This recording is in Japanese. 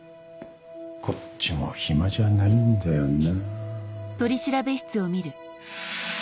こっちも暇じゃないんだよな。